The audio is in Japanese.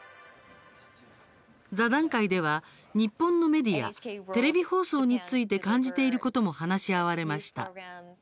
座談会では日本のメディアテレビ放送について感じていることも話し合われました。